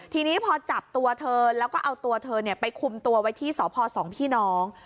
ทีนี้พอจับตัวเธอแล้วก็เอาตัวเธอไปคุมตัวไว้ที่สพสองพี่น้อง